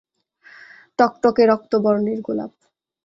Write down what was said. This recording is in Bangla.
টকটকে রক্তবর্ণের গোলাপ।